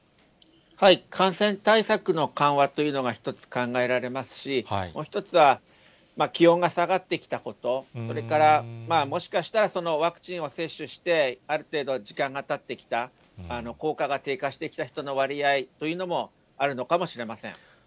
感染対策の緩和というのが一つ考えられますし、もう一つは、気温が下がってきたこと、それからもしかしたら、ワクチンを接種して、ある程度時間がたってきた、効果が低下してきた人の割合というのもあるのかもしれません。